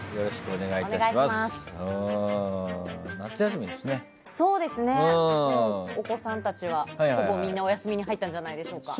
お子さんたちは、ほぼみんなお休みに入ったんじゃないでしょうか。